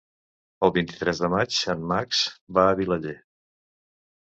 El vint-i-tres de maig en Max va a Vilaller.